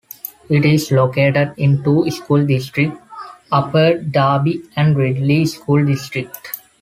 It is located in two school districts, Upper Darby and Ridley School District.